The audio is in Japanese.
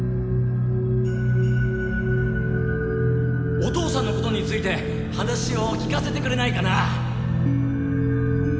お父さんのことについて話を聞かせてくれないかな？